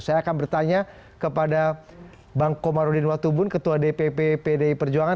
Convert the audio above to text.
saya akan bertanya kepada bang komarudin watubun ketua dpp pdi perjuangan